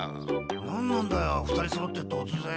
なんなんだよ２人揃って突然。